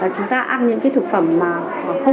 thường là chiều theo ý thích của các con